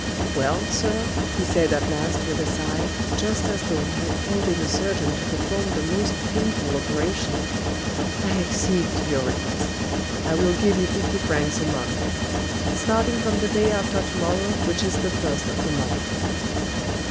Well, sir," he said at last with a sigh, just as though he had called in a surgeon to perform the most painful operation, " I accede to your request. I will give you fifty francs a month. Starting from the day after to morrow which is the first of the month."